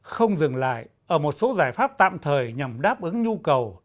không dừng lại ở một số giải pháp tạm thời nhằm đáp ứng nhu cầu